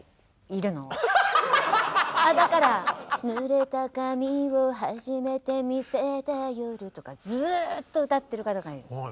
「濡れた髪をはじめて見せた夜」とかずっと歌ってる方がいる。